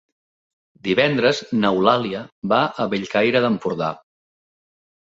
Divendres n'Eulàlia va a Bellcaire d'Empordà.